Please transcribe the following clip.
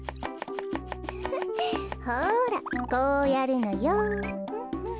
ウフフほらこうやるのよ。